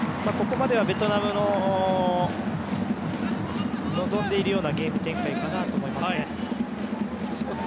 ここまではベトナムの望んでいるようなゲーム展開かなと思いますね。